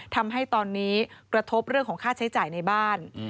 ทำให้ตอนนี้กระทบเรื่องของค่าใช้จ่ายในบ้าน